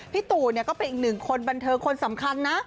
พี่ตู่เนี่ยเป็นอีกหนึ่งคนบันเทอร์คนสำคัญนะ